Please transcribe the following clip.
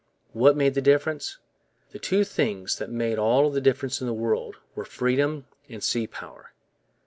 What made the difference? The two things that made all the difference in the world were freedom and sea power.